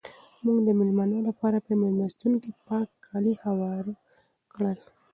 موږ د مېلمنو لپاره په مېلمستون کې پاک کالي هوار کړل.